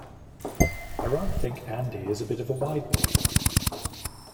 I rather think Andy is a bit of a wide boy.